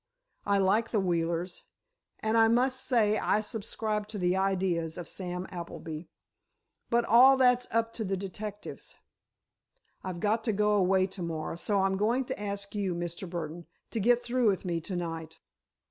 I like the Wheelers, and I must say I subscribe to the ideas of Sam Appleby. But all that's up to the detectives. I've got to go away to morrow, so I'm going to ask you, Mr. Burdon, to get through with me to night.